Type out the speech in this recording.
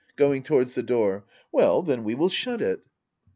[Going towards the door.] Well, then we will shut it.